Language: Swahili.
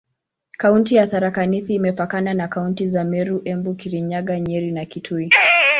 Kaunti ya Tharaka Nithi imepakana na kaunti za Meru, Embu, Kirinyaga, Nyeri na Kitui.